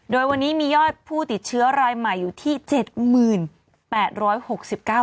โดยวันนี้มียอดผู้ติดเชื้อรายใหม่อยู่ที่๗๘๖๙ราย